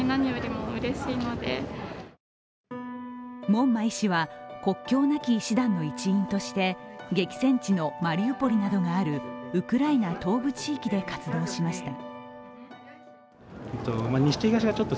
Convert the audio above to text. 門馬医師は国境なき医師団の一員として激戦地のマリウポリなどがあるウクライナ東部地域で活動しました。